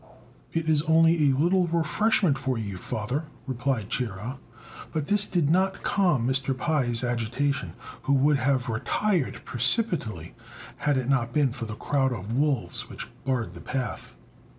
"It's only a little refreshment for you, father," replied Chia; but this did not calm Mr. Pai's agitation, who would have retired precipitately, had it not been for the crowd of wolves which barred the path.